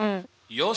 よし！